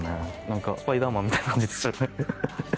何かスパイダーマンみたいな感じですよね。